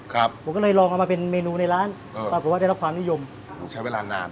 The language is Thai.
ครับผมก็เลยลองเอามาเป็นเมนูในร้านเออปรากฏว่าได้รับความนิยมต้องใช้เวลานาน